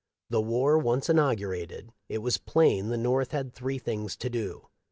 The war once inaugurated, it was plain the North had three things to do.